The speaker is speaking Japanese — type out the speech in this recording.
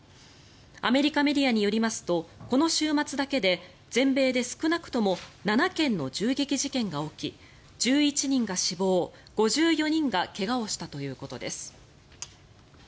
アメリカメディアによりますとこの週末だけで全米で少なくとも７件の銃撃事件が起き１１人が死亡、５４人が怪我をしたということです。